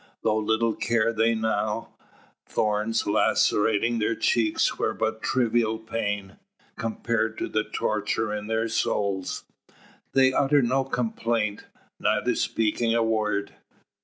Though little care they now: thorns lacerating their cheeks were but trivial pain, compared to the torture in their souls. They utter no complaint, neither speaking a word.